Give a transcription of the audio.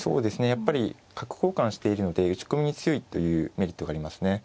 やっぱり角交換しているので打ち込みに強いというメリットがありますね。